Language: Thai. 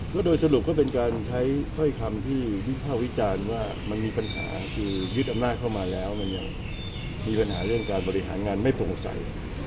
ก็โดยสรุปก็เป็นการใช้ถ้อยคำที่วิภาควิจารณ์ว่ามันมีปัญหาคือยึดอำนาจเข้ามาแล้วมันยังมีปัญหาเรื่องการบริหารงานไม่โปร่งใส